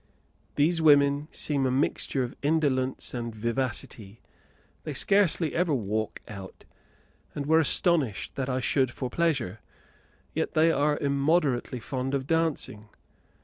These women seem a mixture of indolence and vivacity; they scarcely ever walk out, and were astonished that I should for pleasure, yet they are immoderately fond of dancing.